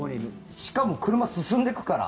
しかも車は進んでいくから。